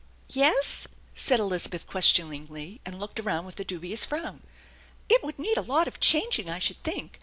" Yes ?" said Elizabeth questioningly, and looking around with a dubious frown. " It would need a lot of changing, I should think.